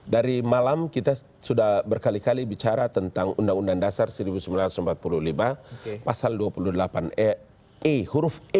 dari malam kita sudah berkali kali bicara tentang undang undang dasar seribu sembilan ratus empat puluh lima pasal dua puluh delapan e huruf e